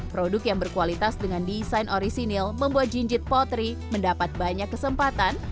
produk yang berkualitas dengan desain orisinil membuat jinjit potri mendapat banyak kesempatan